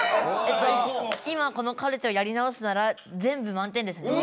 今このカルテをやり直すなら全部満点ですね。